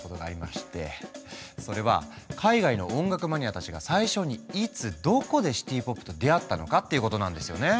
それは海外の音楽マニアたちが最初にいつどこでシティ・ポップと出会ったのかっていうことなんですよね。